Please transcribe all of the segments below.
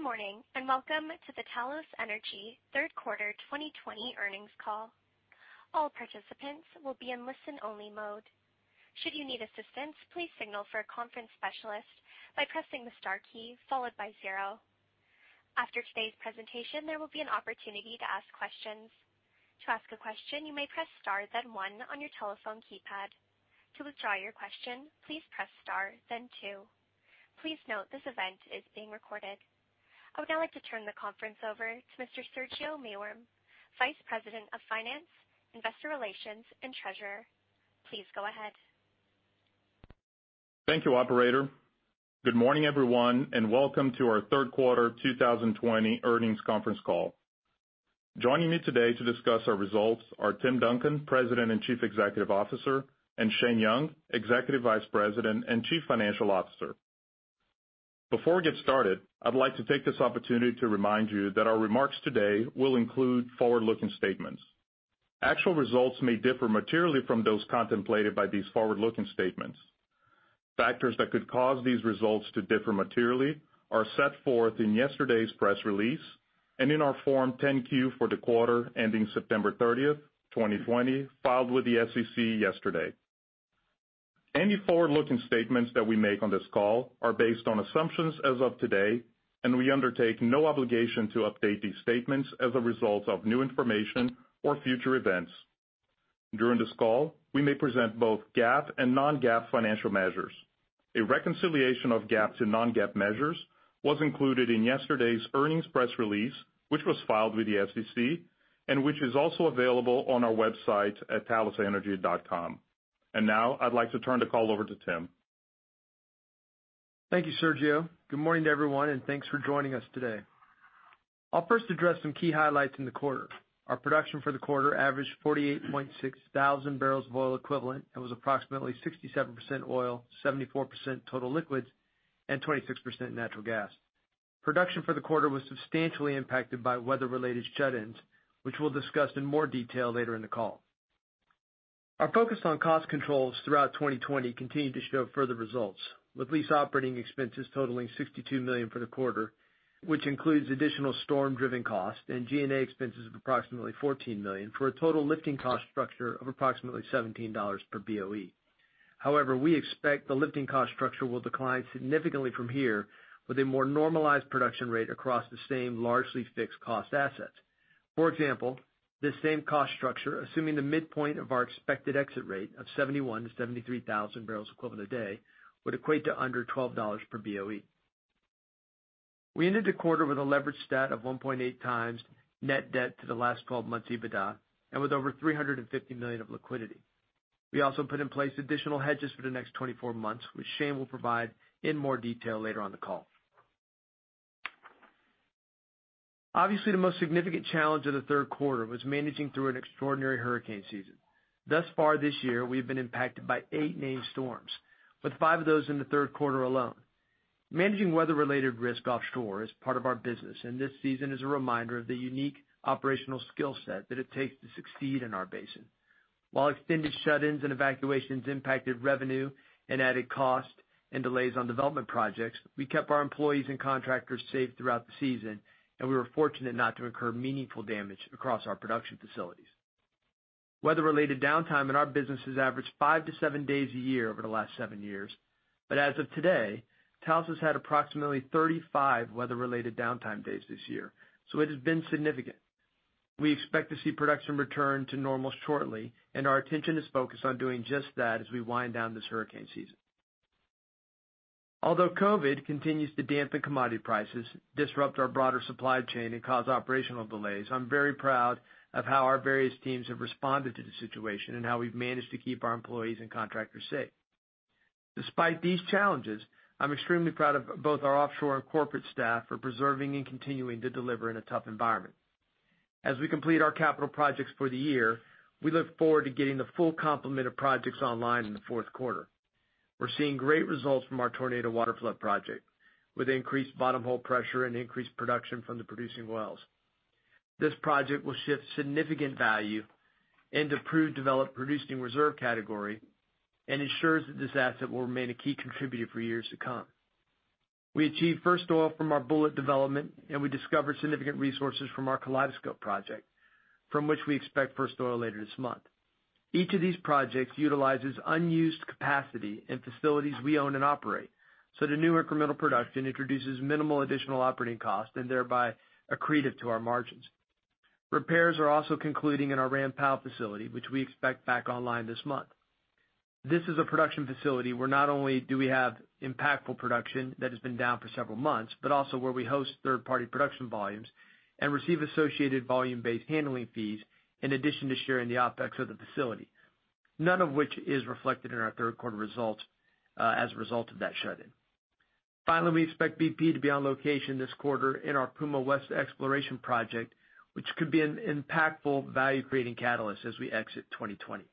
Good morning, and welcome to the Talos Energy third quarter 2020 earnings call. All participants will be in listen-only mode. Should you need assistance, please signal for a conference specialist by pressing the star key followed by zero. After today's presentation, there will be an opportunity to ask questions. To ask a question, you may press star then one on your telephone keypad. To withdraw your question, please press star then two. Please note this event is being recorded. I would now like to turn the conference over to Mr. Sergio Maiworm, Vice President of Finance, Investor Relations, and Treasurer. Please go ahead. Thank you, Operator. Good morning, everyone, and welcome to our third quarter 2020 earnings conference call. Joining me today to discuss our results are Tim Duncan, President and Chief Executive Officer, and Shane Young, Executive Vice President and Chief Financial Officer. Before we get started, I'd like to take this opportunity to remind you that our remarks today will include forward-looking statements. Actual results may differ materially from those contemplated by these forward-looking statements. Factors that could cause these results to differ materially are set forth in yesterday's press release and in our Form 10-Q for the quarter ending September 30th, 2020, filed with the SEC yesterday. Any forward-looking statements that we make on this call are based on assumptions as of today, and we undertake no obligation to update these statements as a result of new information or future events. During this call, we may present both GAAP and non-GAAP financial measures. A reconciliation of GAAP to non-GAAP measures was included in yesterday's earnings press release, which was filed with the SEC and which is also available on our website at talosenergy.com. Now I'd like to turn the call over to Tim. Thank you, Sergio. Good morning to everyone, and thanks for joining us today. I'll first address some key highlights in the quarter. Our production for the quarter averaged 48.6 thousand barrels of oil equivalent and was approximately 67% oil, 74% total liquids, and 26% natural gas. Production for the quarter was substantially impacted by weather-related shut-ins, which we'll discuss in more detail later in the call. Our focus on cost controls throughout 2020 continued to show further results, with lease operating expenses totaling $62 million for the quarter, which includes additional storm-driven costs and G&A expenses of approximately $14 million for a total lifting cost structure of approximately $17 per BOE. However, we expect the lifting cost structure will decline significantly from here with a more normalized production rate across the same largely fixed cost assets. For example, this same cost structure, assuming the midpoint of our expected exit rate of 71,000 to 73,000 barrels equivalent a day, would equate to under $12 per BOE. We ended the quarter with a leverage stat of 1.8x net debt to the last 12 months EBITDA and with over $350 million of liquidity. We also put in place additional hedges for the next 24 months, which Shane will provide in more detail later on the call. Obviously, the most significant challenge of the third quarter was managing through an extraordinary hurricane season. Thus far this year, we have been impacted by eight named storms, with five of those in the third quarter alone. Managing weather-related risk offshore is part of our business, and this season is a reminder of the unique operational skill set that it takes to succeed in our basin. While extended shut-ins and evacuations impacted revenue and added cost and delays on development projects, we kept our employees and contractors safe throughout the season, and we were fortunate not to incur meaningful damage across our production facilities. Weather-related downtime in our business has averaged five to seven days a year over the last seven years, but as of today, Talos has had approximately 35 weather-related downtime days this year, so it has been significant. We expect to see production return to normal shortly, and our attention is focused on doing just that as we wind down this hurricane season. Although COVID continues to dampen commodity prices, disrupt our broader supply chain, and cause operational delays, I'm very proud of how our various teams have responded to the situation and how we've managed to keep our employees and contractors safe. Despite these challenges, I'm extremely proud of both our offshore and corporate staff for preserving and continuing to deliver in a tough environment. As we complete our capital projects for the year, we look forward to getting the full complement of projects online in the fourth quarter. We're seeing great results from our Tornado Waterflood project, with increased bottom hole pressure and increased production from the producing wells. This project will shift significant value into proved developed producing reserve category and ensures that this asset will remain a key contributor for years to come. We achieved first oil from our Bulleit development. We discovered significant resources from our Kaleidoscope project, from which we expect first oil later this month. Each of these projects utilizes unused capacity in facilities we own and operate. The new incremental production introduces minimal additional operating costs and thereby accretive to our margins. Repairs are also concluding in our Ram Powell facility, which we expect back online this month. This is a production facility where not only do we have impactful production that has been down for several months, but also where we host third-party production volumes and receive associated volume-based handling fees in addition to sharing the OpEx of the facility, none of which is reflected in our third quarter results, as a result of that shut-in. We expect BP to be on location this quarter in our Puma West exploration project, which could be an impactful value-creating catalyst as we exit 2020.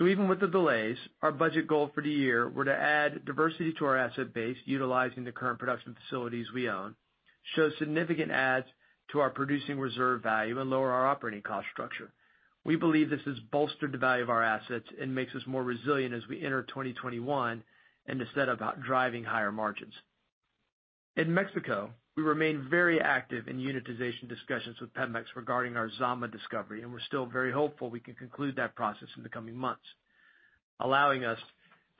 Even with the delays, our budget goal for the year were to add diversity to our asset base utilizing the current production facilities we own. Show significant adds to our producing reserve value and lower our operating cost structure. We believe this has bolstered the value of our assets and makes us more resilient as we enter 2021 and is set about driving higher margins. In Mexico, we remain very active in unitization discussions with Pemex regarding our Zama discovery, and we're still very hopeful we can conclude that process in the coming months, allowing us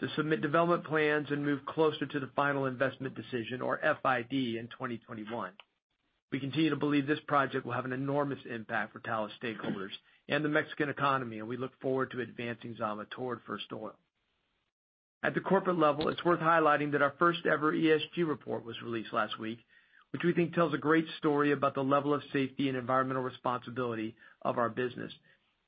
to submit development plans and move closer to the final investment decision or FID in 2021. We continue to believe this project will have an enormous impact for Talos stakeholders and the Mexican economy, and we look forward to advancing Zama toward first oil. At the corporate level, it's worth highlighting that our first ever ESG report was released last week, which we think tells a great story about the level of safety and environmental responsibility of our business,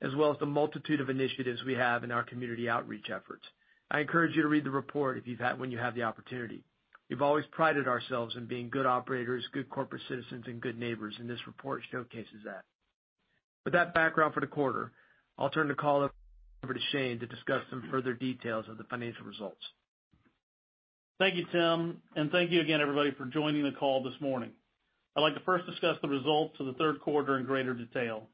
as well as the multitude of initiatives we have in our community outreach efforts. I encourage you to read the report when you have the opportunity. We've always prided ourselves in being good operators, good corporate citizens, and good neighbors, and this report showcases that. With that background for the quarter, I'll turn the call over to Shane to discuss some further details of the financial results. Thank you, Tim, and thank you again everybody for joining the call this morning. I'd like to first discuss the results of the third quarter in greater detail.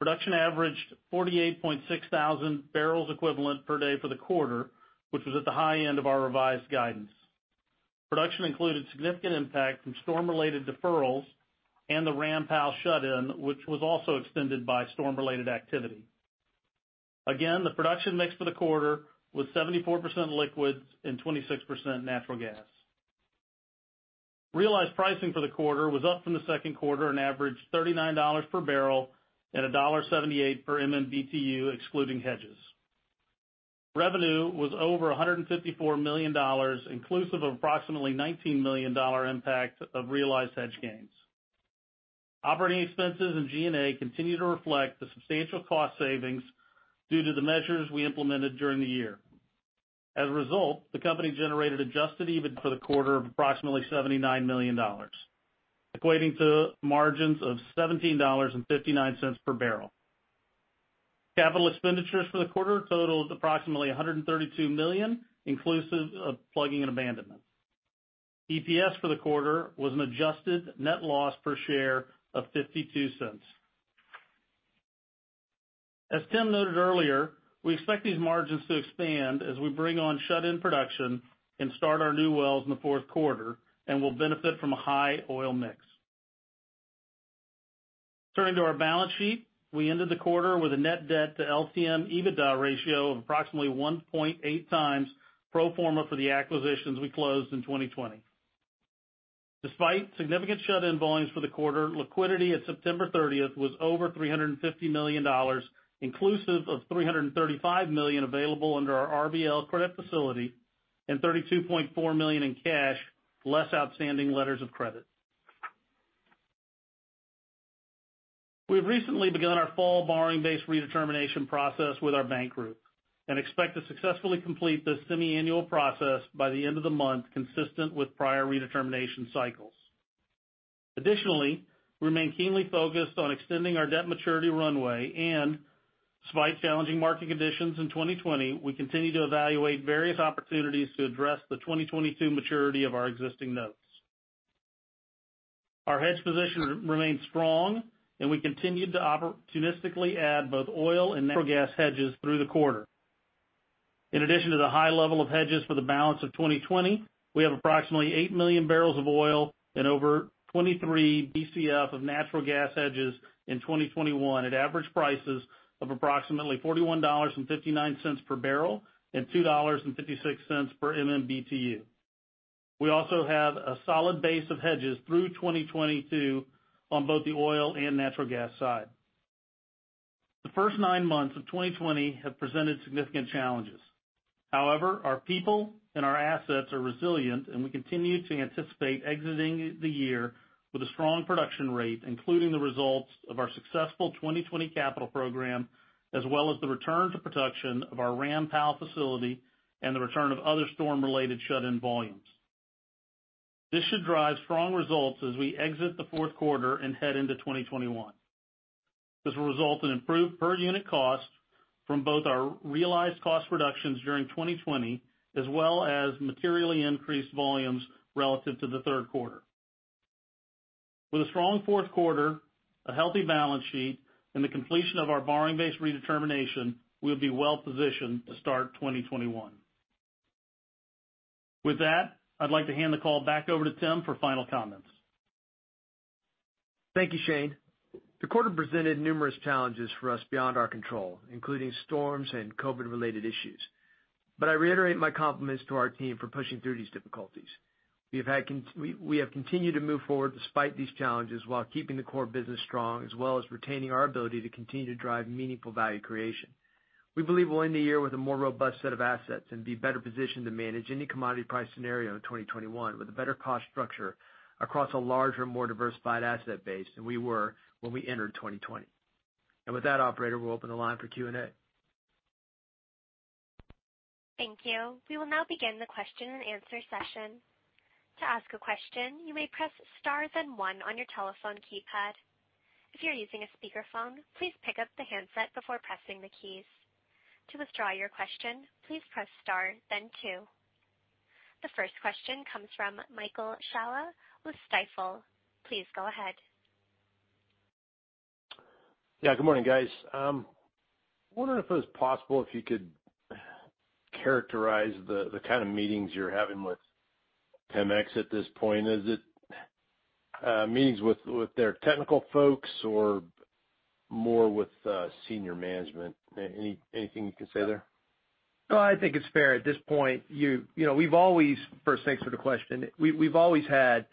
Production averaged 48.6 thousand barrels equivalent per day for the quarter, which was at the high end of our revised guidance. Production included significant impact from storm-related deferrals and the Ram Powell shut in, which was also extended by storm-related activity. Again, the production mix for the quarter was 74% liquids and 26% natural gas. Realized pricing for the quarter was up from the second quarter and averaged $39 per barrel at $1.78 per MMBtu excluding hedges. Revenue was over $154 million, inclusive of approximately $19 million impact of realized hedge gains. Operating expenses and G&A continue to reflect the substantial cost savings due to the measures we implemented during the year. As a result, the company generated adjusted EBITDA for the quarter of approximately $79 million, equating to margins of $17.59 per barrel. Capital expenditures for the quarter totaled approximately $132 million, inclusive of plugging and abandonment. EPS for the quarter was an adjusted net loss per share of $0.52. As Tim noted earlier, we expect these margins to expand as we bring on shut-in production and start our new wells in the fourth quarter and will benefit from a high oil mix. Turning to our balance sheet, we ended the quarter with a net debt to LTM EBITDA ratio of approximately 1.8x pro forma for the acquisitions we closed in 2020. Despite significant shut-in volumes for the quarter, liquidity at September 30th was over $350 million, inclusive of $335 million available under our RBL credit facility and $32.4 million in cash, less outstanding letters of credit. We have recently begun our fall borrowing base redetermination process with our bank group and expect to successfully complete this semiannual process by the end of the month, consistent with prior redetermination cycles. Additionally, we remain keenly focused on extending our debt maturity runway and despite challenging market conditions in 2020, we continue to evaluate various opportunities to address the 2022 maturity of our existing notes. Our hedge position remains strong, and we continued to opportunistically add both oil and natural gas hedges through the quarter. In addition to the high level of hedges for the balance of 2020, we have approximately 8 million barrels of oil and over 23 Bcf of natural gas hedges in 2021 at average prices of approximately $41.59 per barrel and $2.56 per MMBtu. We also have a solid base of hedges through 2022 on both the oil and natural gas side. The first nine months of 2020 have presented significant challenges. Our people and our assets are resilient, and we continue to anticipate exiting the year with a strong production rate, including the results of our successful 2020 capital program, as well as the return to production of our Ram Powell facility and the return of other storm-related shut-in volumes. This should drive strong results as we exit the fourth quarter and head into 2021. This will result in improved per unit cost from both our realized cost reductions during 2020 as well as materially increased volumes relative to the third quarter. With a strong fourth quarter, a healthy balance sheet, and the completion of our borrowing base redetermination, we'll be well positioned to start 2021. With that, I'd like to hand the call back over to Tim for final comments. Thank you, Shane. The quarter presented numerous challenges for us beyond our control, including storms and COVID-related issues. I reiterate my compliments to our team for pushing through these difficulties. We have continued to move forward despite these challenges while keeping the core business strong, as well as retaining our ability to continue to drive meaningful value creation. We believe we'll end the year with a more robust set of assets and be better positioned to manage any commodity price scenario in 2021 with a better cost structure across a larger, more diversified asset base than we were when we entered 2020. With that, Operator, we'll open the line for Q&A. Thank you. We will now begin the question and answer session. To ask a question, you may press star and one on your telephone keypad. If you're using a speaker phone, please pick up the handset before pressing the keys. To withdraw your question, please press star then two. The first question comes from Michael Scialla with Stifel. Please go ahead. Yeah, good morning, guys. I'm wondering if it was possible, if you could characterize the kind of meetings you're having with Pemex at this point. Is it meetings with their technical folks or more with senior management? Anything you can say there? No, I think it's fair at this point. First, thanks for the question. We've always had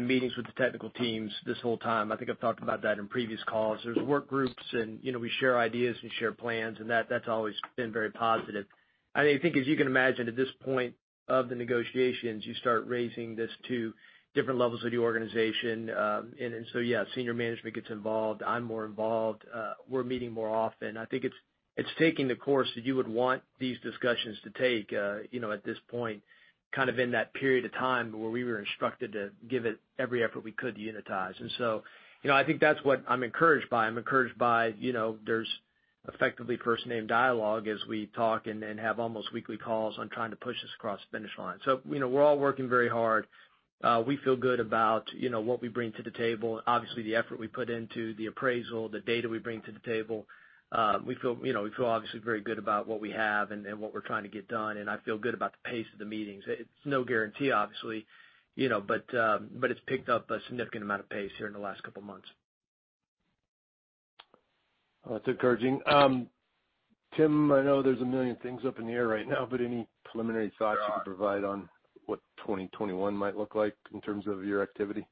meetings with the technical teams this whole time. I think I've talked about that in previous calls. There's work groups, and we share ideas, and we share plans, and that's always been very positive. I think, as you can imagine, at this point of the negotiations, you start raising this to different levels of the organization. Yeah, senior management gets involved. I'm more involved. We're meeting more often. I think it's taking the course that you would want these discussions to take at this point, kind of in that period of time where we were instructed to give it every effort we could to unitize. I think that's what I'm encouraged by. I'm encouraged by, there's effectively first-name dialogue as we talk and have almost weekly calls on trying to push this across the finish line. We're all working very hard. We feel good about what we bring to the table, obviously, the effort we put into the appraisal, the data we bring to the table. We feel obviously very good about what we have and what we're trying to get done, and I feel good about the pace of the meetings. It's no guarantee, obviously, but it's picked up a significant amount of pace here in the last couple of months. That's encouraging. Tim, I know there's a million things up in the air right now, but any preliminary thoughts you could provide on what 2021 might look like in terms of your activity?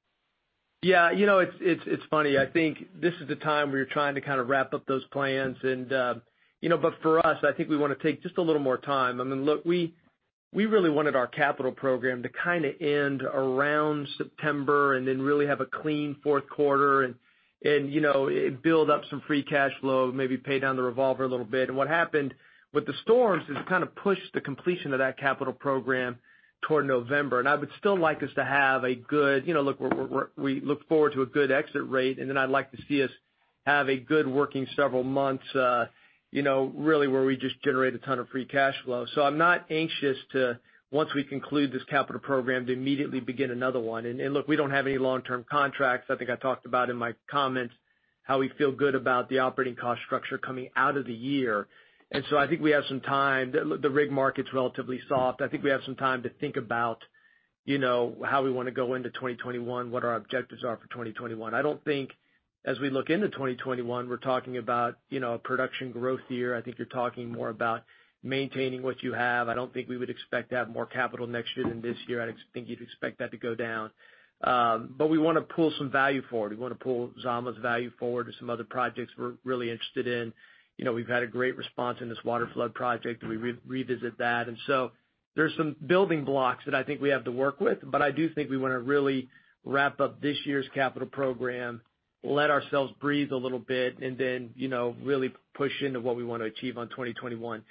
Yeah. It's funny. I think this is the time where you're trying to wrap up those plans. For us, I think we want to take just a little more time. I mean, look, we really wanted our capital program to end around September and then really have a clean fourth quarter and build up some free cash flow, maybe pay down the revolver a little bit. What happened with the storms is kind of pushed the completion of that capital program toward November. I would still like us to have, look, we look forward to a good exit rate, and then I'd like to see us have a good working several months, really where we just generate a ton of free cash flow. I'm not anxious to, once we conclude this capital program, to immediately begin another one. Look, we don't have any long-term contracts. I think I talked about in my comments how we feel good about the operating cost structure coming out of the year. I think we have some time. The rig market's relatively soft. I think we have some time to think about how we want to go into 2021, what our objectives are for 2021. I don't think as we look into 2021, we're talking about a production growth year. I think you're talking more about maintaining what you have. I don't think we would expect to have more capital next year than this year. I think you'd expect that to go down. We want to pull some value forward. We want to pull Zama's value forward to some other projects we're really interested in. We've had a great response in this water flood project, and we revisit that. There's some building blocks that I think we have to work with, but I do think we want to really wrap up this year's capital program, let ourselves breathe a little bit, and then really push into what we want to achieve on 2021.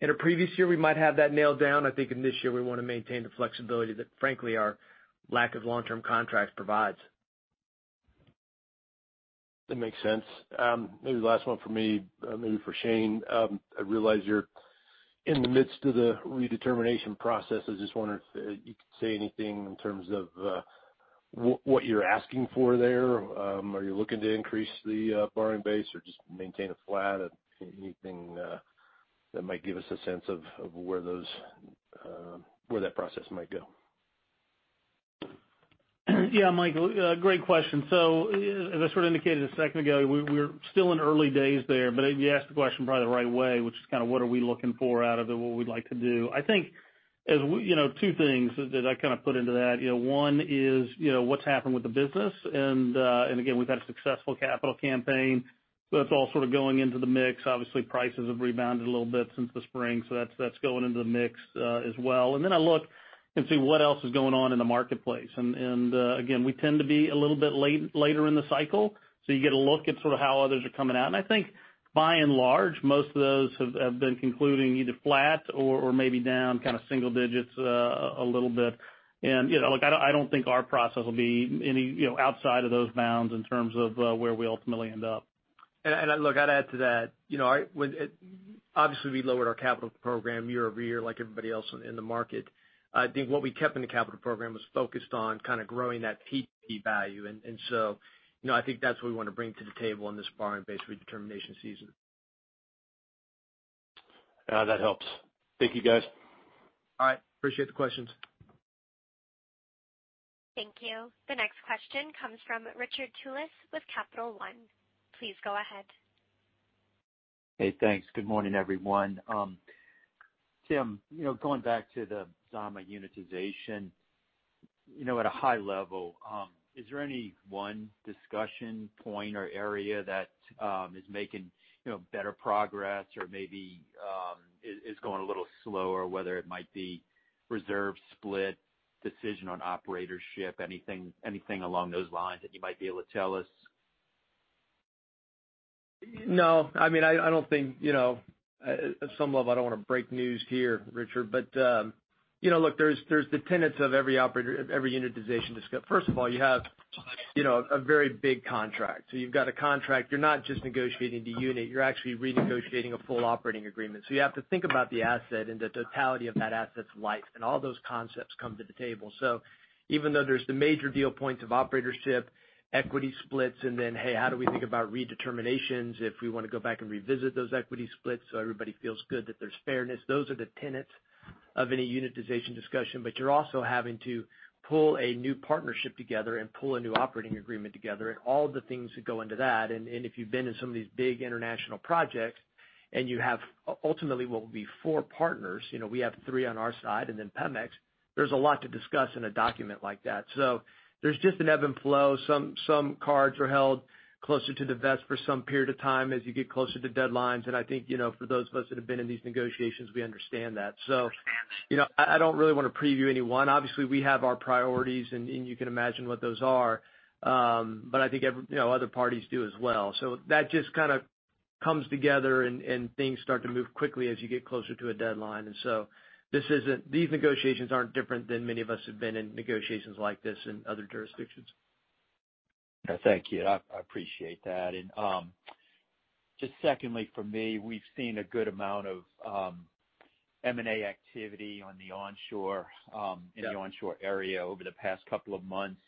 In a previous year, we might have that nailed down. I think in this year, we want to maintain the flexibility that, frankly, our lack of long-term contracts provides. That makes sense. The last one from me, maybe for Shane. I realize you're in the midst of the redetermination process. I just wonder if you could say anything in terms of what you're asking for there. Are you looking to increase the borrowing base or just maintain it flat? Anything that might give us a sense of where that process might go. Yeah. Michael, great question. As I sort of indicated a second ago, we're still in early days there, but you asked the question probably the right way, which is kind of what are we looking for out of it, what we'd like to do. I think, two things that I kind of put into that. One is, what's happened with the business. Again, we've had a successful capital campaign, so that's all sort of going into the mix. Obviously, prices have rebounded a little bit since the spring, so that's going into the mix as well. Then I look and see what else is going on in the marketplace. Again, we tend to be a little bit later in the cycle, so you get a look at sort of how others are coming out. I think by and large, most of those have been concluding either flat or maybe down kind of single digits a little bit. I don't think our process will be outside of those bounds in terms of where we ultimately end up. Look, I'd add to that. Obviously, we lowered our capital program year-over-year like everybody else in the market. I think what we kept in the capital program was focused on kind of growing that PDP value. I think that's what we want to bring to the table in this borrowing base redetermination season. That helps. Thank you, guys. All right. Appreciate the questions. Thank you. The next question comes from Richard Tullis with Capital One. Please go ahead. Hey, thanks. Good morning, everyone. Tim, going back to the Zama unitization. At a high level, is there any one discussion point or area that is making better progress or maybe is going a little slower, whether it might be reserve split, decision on operatorship, anything along those lines that you might be able to tell us? No. I mean, at some level, I don't want to break news here, Richard, but look, there's the tenets of every unitization. First of all, you have two very big contracts. You've got a contract. You're not just negotiating the unit, you're actually renegotiating a full operating agreement. You have to think about the asset and the totality of that asset's life, and all those concepts come to the table. Even though there's the major deal points of operatorship, equity splits, how do we think about redeterminations, if we want to go back and revisit those equity splits so everybody feels good that there's fairness. Those are the tenets of any unitization discussion. You're also having to pull a new partnership together and pull a new operating agreement together, and all the things that go into that. If you've been in some of these big international projects and you have ultimately what will be four partners, we have three on our side, and then Pemex, there's a lot to discuss in a document like that. There's just an ebb and flow. Some cards are held closer to the vest for some period of time as you get closer to deadlines. I think, for those of us that have been in these negotiations, we understand that. I don't really want to preview any one. Obviously, we have our priorities, and you can imagine what those are. I think other parties do as well. That just kind of comes together and things start to move quickly as you get closer to a deadline. These negotiations aren't different than many of us who have been in negotiations like this in other jurisdictions. Thank you. I appreciate that. Just secondly for me, we've seen a good amount of M&A activity in the onshore area over the past couple of months.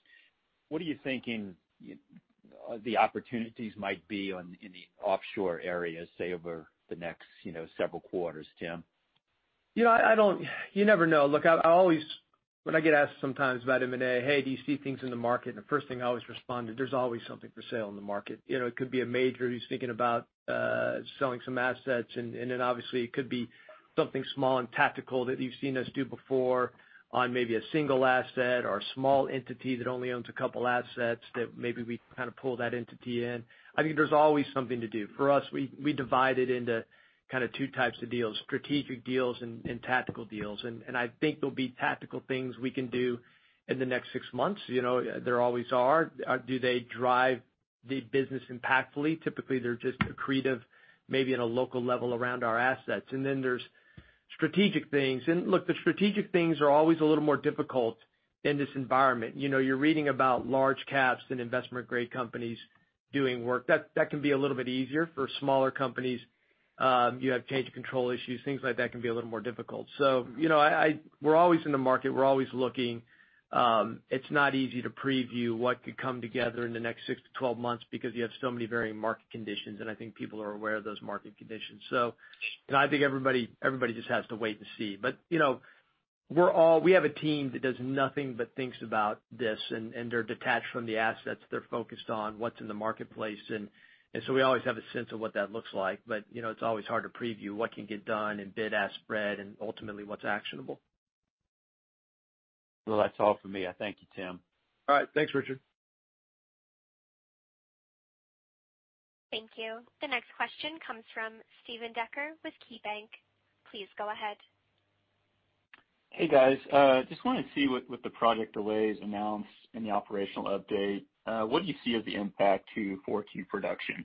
What are you thinking the opportunities might be in the offshore areas, say, over the next several quarters, Tim? You never know. Look, when I get asked sometimes about M&A, "Hey, do you see things in the market?" The first thing I always respond to, there's always something for sale in the market. It could be a major who's thinking about selling some assets, and then obviously it could be something small and tactical that you've seen us do before on maybe a single asset or a small entity that only owns a couple assets that maybe we kind of pull that entity in. I think there's always something to do. For us, we divide it into kind of two types of deals, strategic deals and tactical deals. I think there'll be tactical things we can do in the next six months. There always are. Do they drive the business impactfully? Typically, they're just accretive maybe on a local level around our assets. Then there's strategic things. Look, the strategic things are always a little more difficult in this environment. You're reading about large caps and investment-grade companies doing work. That can be a little bit easier. For smaller companies, you have change of control issues, things like that can be a little more difficult. We're always in the market. We're always looking. It's not easy to preview what could come together in the next six to 12 months because you have so many varying market conditions, and I think people are aware of those market conditions. I think everybody just has to wait and see. We have a team that does nothing but thinks about this, and they're detached from the assets. They're focused on what's in the marketplace. We always have a sense of what that looks like. It's always hard to preview what can get done and bid-ask spread, and ultimately, what's actionable. Well, that's all for me. Thank you, Tim. All right. Thanks, Richard. Thank you. The next question comes from Steven Dechert with KeyBanc. Please go ahead. Hey, guys. Just wanted to see, with the project delays announced in the operational update, what do you see as the impact to 4Q production?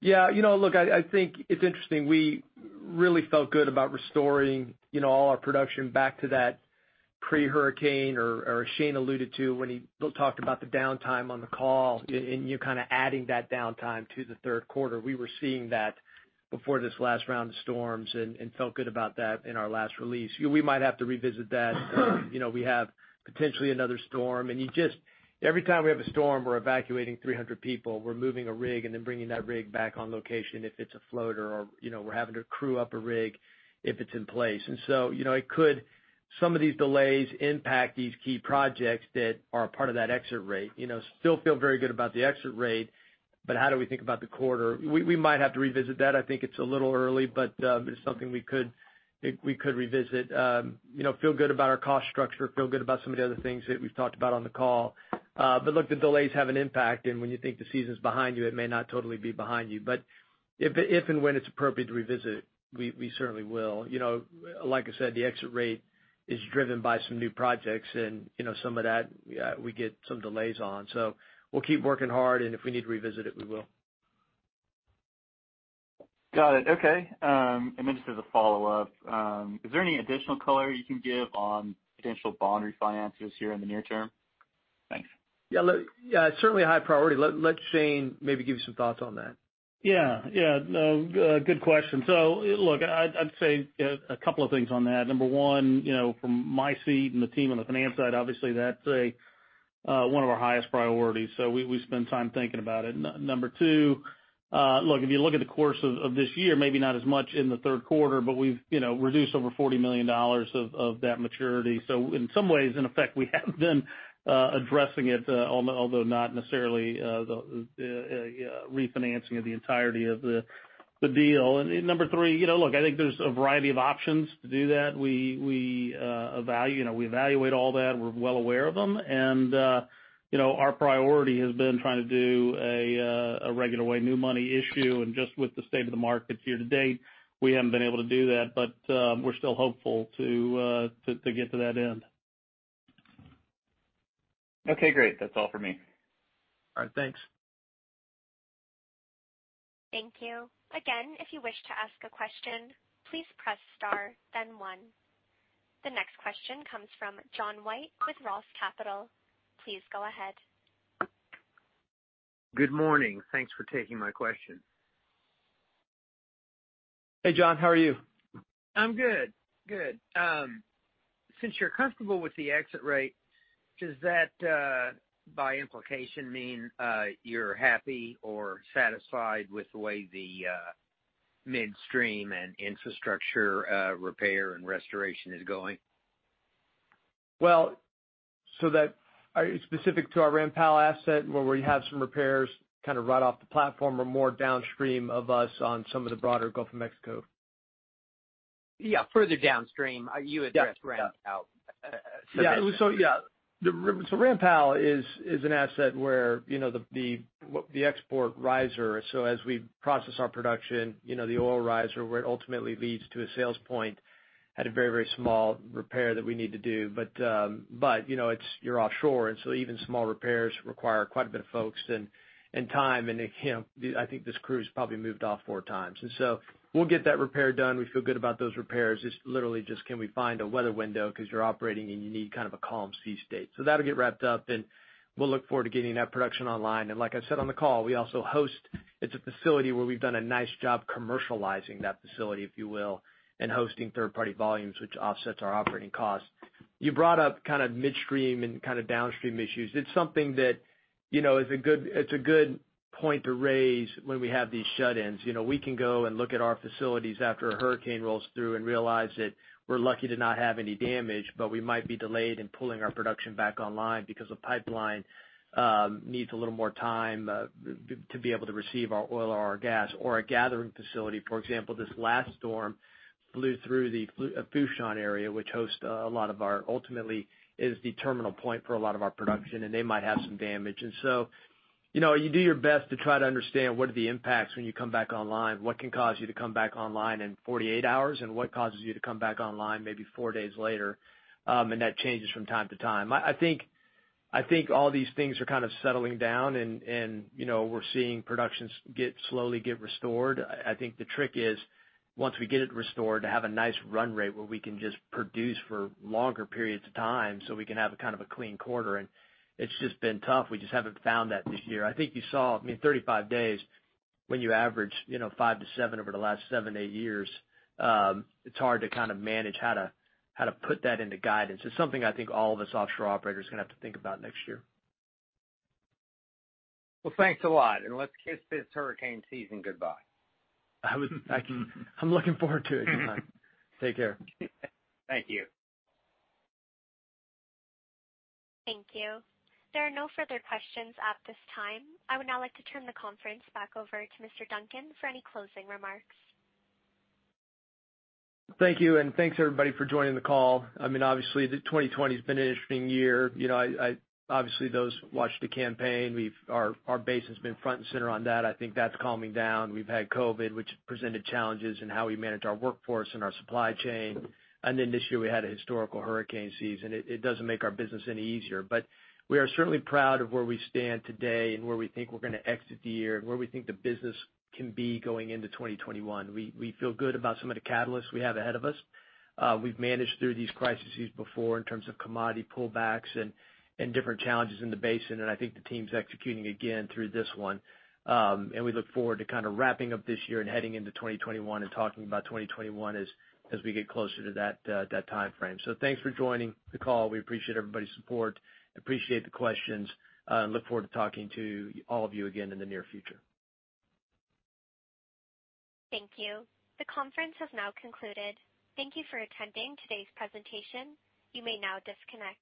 Yeah. Look, I think it's interesting. We really felt good about restoring all our production back to that pre-hurricane, or Shane alluded to when he talked about the downtime on the call, and you're kind of adding that downtime to the third quarter. We were seeing that before this last round of storms and felt good about that in our last release. We might have to revisit that. We have potentially another storm, and every time we have a storm, we're evacuating 300 people. We're moving a rig and then bringing that rig back on location if it's a floater, or we're having to crew up a rig if it's in place. Some of these delays impact these key projects that are a part of that exit rate. Still feel very good about the exit rate. How do we think about the quarter? We might have to revisit that. I think it's a little early, but it's something we could revisit. Feel good about our cost structure, feel good about some of the other things that we've talked about on the call. Look, the delays have an impact, and when you think the season's behind you, it may not totally be behind you. If and when it's appropriate to revisit, we certainly will. Like I said, the exit rate is driven by some new projects, and some of that, we get some delays on. We'll keep working hard, and if we need to revisit it, we will. Got it. Okay. Just as a follow-up, is there any additional color you can give on potential bond refinances here in the near term? Thanks. Yeah. It's certainly a high priority. Let Shane maybe give you some thoughts on that. Yeah. Good question. Look, I'd say a couple of things on that. Number one, from my seat and the team on the finance side, obviously, that's one of our highest priorities, so we spend time thinking about it. Number two, if you look at the course of this year, maybe not as much in the third quarter, but we've reduced over $40 million of that maturity. In some ways, in effect, we have been addressing it, although not necessarily the refinancing of the entirety of the deal. Number three, I think there's a variety of options to do that. We evaluate all that. We're well aware of them. Our priority has been trying to do a regular way new money issue. Just with the state of the markets here to date, we haven't been able to do that, but we're still hopeful to get to that end. Okay, great. That's all for me. All right. Thanks. Thank you. Again, if you wish to ask a question, please press star, then one. The next question comes from John White with ROTH Capital. Please go ahead. Good morning. Thanks for taking my question. Hey, John. How are you? I'm good. Since you're comfortable with the exit rate, does that by implication mean you're happy or satisfied with the way the midstream and infrastructure repair and restoration is going? Well, are you specific to our Ram Powell asset where we have some repairs kind of right off the platform or more downstream of us on some of the broader Gulf of Mexico? Yeah, further downstream. You addressed Ram Powell. Yeah. Ram Powell is an asset where the export riser, so as we process our production, the oil riser, where it ultimately leads to a sales point, had a very small repair that we need to do. You're offshore, even small repairs require quite a bit of folks and time, and I think this crew's probably moved off four times. We'll get that repair done. We feel good about those repairs. It's literally just, can we find a weather window? You're operating and you need kind of a calm sea state. That'll get wrapped up and we'll look forward to getting that production online. Like I said on the call, it's a facility where we've done a nice job commercializing that facility, if you will, and hosting third-party volumes, which offsets our operating costs. You brought up kind of midstream and kind of downstream issues. It's something that is a good point to raise when we have these shut-ins. We can go and look at our facilities after a hurricane rolls through and realize that we're lucky to not have any damage, but we might be delayed in pulling our production back online because the pipeline needs a little more time to be able to receive our oil or our gas or a gathering facility. For example, this last storm flew through the Fourchon area, which ultimately is the terminal point for a lot of our production, and they might have some damage. You do your best to try to understand what are the impacts when you come back online, what can cause you to come back online in 48 hours, and what causes you to come back online maybe four days later. That changes from time to time. I think all these things are kind of settling down and we're seeing productions slowly get restored. I think the trick is, once we get it restored to have a nice run rate where we can just produce for longer periods of time so we can have a kind of a clean quarter, and it's just been tough. We just haven't found that this year. I think you saw, I mean, 35 days when you average five to seven over the last seven, eight years. It's hard to kind of manage how to put that into guidance. It's something I think all of us offshore operators are going to have to think about next year. Well, thanks a lot, and it's hurricane season goodbye. I'm looking forward to it, John. Take care. Thank you. Thank you. There are no further questions at this time. I would now like to turn the conference back over to Mr. Duncan for any closing remarks. Thank you. Thanks everybody for joining the call. I mean, obviously, 2020's been an interesting year. Obviously, those who watched the campaign, our base has been front and center on that. I think that's calming down. We've had COVID, which presented challenges in how we manage our workforce and our supply chain. This year we had a historical hurricane season. It doesn't make our business any easier. We are certainly proud of where we stand today and where we think we're going to exit the year, and where we think the business can be going into 2021. We feel good about some of the catalysts we have ahead of us. We've managed through these crises before in terms of commodity pullbacks and different challenges in the basin, and I think the team's executing again through this one. We look forward to kind of wrapping up this year and heading into 2021 and talking about 2021 as we get closer to that timeframe. Thanks for joining the call. We appreciate everybody's support, appreciate the questions, and look forward to talking to all of you again in the near future. Thank you. The conference has now concluded. Thank you for attending today's presentation. You may now disconnect.